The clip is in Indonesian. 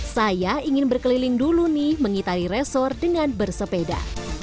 saya ingin berkeliling dulu nih mengitari resor dengan bersepeda